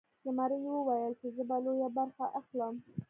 زمري ویل چې زه به لویه برخه اخلم.